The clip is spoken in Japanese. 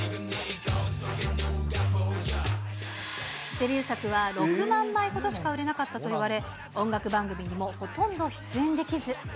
デビュー作は６万枚ほどしか売れなかったといわれ、音楽番組にもほとんど出演できず。